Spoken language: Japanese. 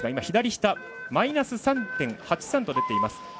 左下、マイナス３．８３と出ていました。